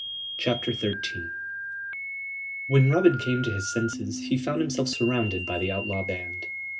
CHAPTER XIII When Robin came to his senses he found himself surrounded by the outlaw band.